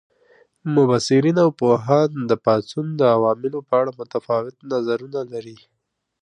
مبصرین او پوهان د پاڅون د عواملو په اړه متفاوت نظرونه لري.